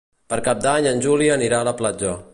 Per Cap d'Any en Juli anirà a la platja.